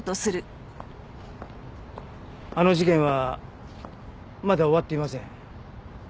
あの事件はまだ終わっていません。